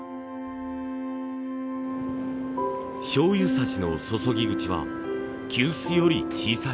醤油さしの注ぎ口は急須より小さい。